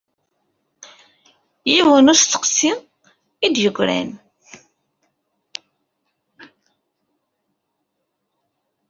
Yiwen n usteqsi i d-yeggran.